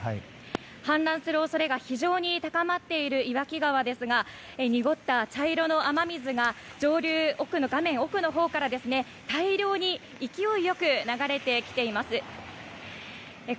氾濫する恐れが非常に高まっている岩木川ですが濁った茶色の雨水が上流、画面奥のほうから大量に勢いよく流れてきています。